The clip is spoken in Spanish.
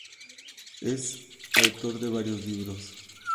Es autor de varios libros.